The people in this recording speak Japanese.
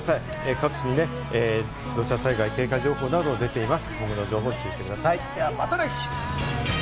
各地に土砂災害警戒情報など出ています。